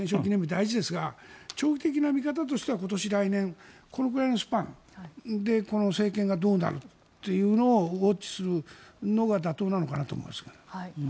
大事ですが長期的な見方としては今年、来年このくらいのスパンでこの政権がどうなるっていうのをウォッチするのが妥当なのかなと思いますけどね。